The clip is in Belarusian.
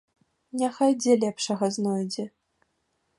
Няхай дзе лепшага знойдзе.